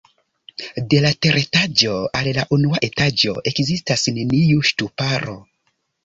De la teretaĝo al la unua etaĝo ekzistas neniu ŝtuparo.